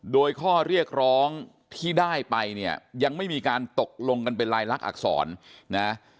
โดยข้อเรียกร้องที่ได้ไปเนี่ยยังไม่มีการตกลงกันเป็นลายลักษณอักษรนะ